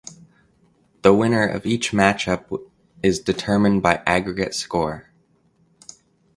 The winner of each match up is determined by aggregate score.